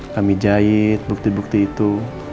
kami jahit bukti bukti itu